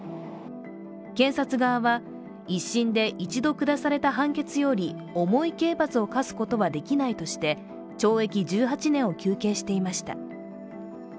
検察側は１審で１度下された判決より重い刑罰を科すことはできないとして懲役１８年を求刑していました。